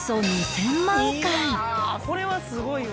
「これはすごいわ」